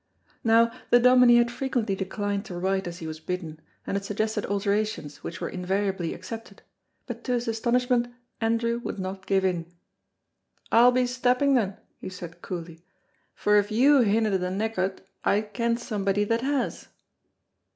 Now, the Dominie had frequently declined to write as he was bidden, and had suggested alterations which were invariably accepted, but to his astonishment Andrew would not give in. "I'll be stepping, then," he said coolly, "for if you hinna the knack o't I ken somebody that has."